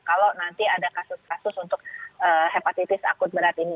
kalau nanti ada kasus kasus untuk hepatitis akut berat ini